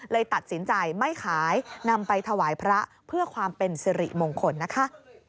เลยตัดสินใจไม่ขายนำไปถวายพระเพื่อความเป็นสิริมงคลนะคะ